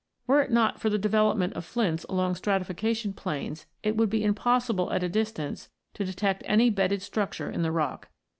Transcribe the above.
Were it not for the development of flints along stratification planes, it would be impossible at a distance to detect any bedded structure in the rock.